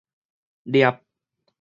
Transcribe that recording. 攝